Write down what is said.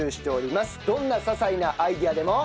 どんな些細なアイデアでも。